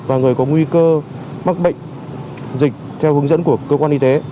và người có nguy cơ mắc bệnh dịch theo hướng dẫn của cơ quan y tế